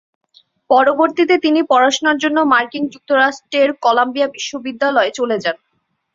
পরবর্তীতে তিনি পড়াশোনার জন্য মার্কিন যুক্তরাষ্ট্রের কলাম্বিয়া বিশ্ববিদ্যালয়ে চলে যান।